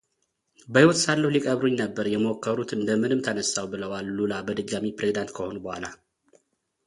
በሕይወት ሳለሁ ሊቀብሩኝ ነበር የሞከሩት እንደምንም ተነሳሁ ብለዋል ሉላ በድጋሚ ፕሬዝዳንት ከሆኑ በኋላ።